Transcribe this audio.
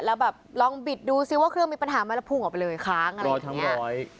แล้วแบบลองบิดดูซิว่าเครื่องมีปัญหาไหมแล้วพุ่งออกไปเลยค้างอะไรทั้งนี้